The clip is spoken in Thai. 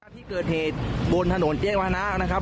ที่เกิดเหตุบนถนนเจ๊วานะนะครับ